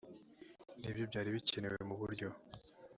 ni byo byari bikenewe mu buryo